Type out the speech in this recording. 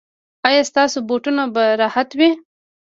ایا ستاسو بوټونه به راحت وي؟